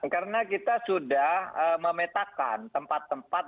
karena kita sudah memetakan tempat tempat